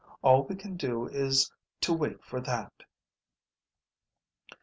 All we can do is to wait for that."